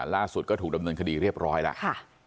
ล่าสุดก็ถูกดำเนินคดีเรียบร้อยแล้ว